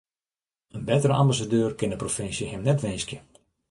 In bettere ambassadeur kin de provinsje him net winskje.